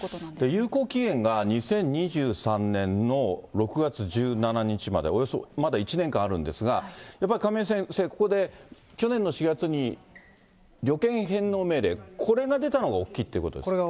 有効期限が２０２３年の６月１７日まで、およそまだ１年間あるんですが、やっぱり亀井先生、ここで、去年の４月に、旅券返納命令、これが出たのが大きいということですか。